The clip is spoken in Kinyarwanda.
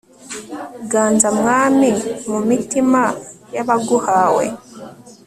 ganza mwami, mu mitima y'abaguhawe